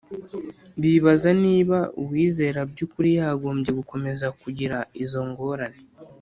Bibaza niba uwizera by'ukuri yagombye gukomeza kugira izo ngorane.